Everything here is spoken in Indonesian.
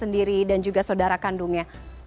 dan juga saudara kandungnya